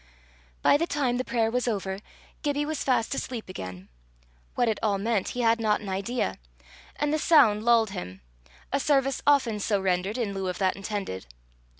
By the time the prayer was over, Gibbie was fast asleep again. What it all meant he had not an idea; and the sound lulled him a service often so rendered in lieu of that intended.